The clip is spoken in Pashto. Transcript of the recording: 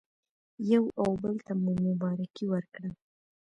یو او بل ته مو مبارکي ورکړه.